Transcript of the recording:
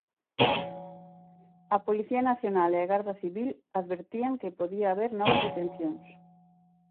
A Policía Nacional e a Garda Civil advertían que podía haber novas detencións.